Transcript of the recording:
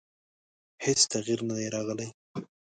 هېڅ تغیر نه دی راغلی.